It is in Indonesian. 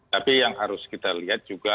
tapi yang harus kita lihat juga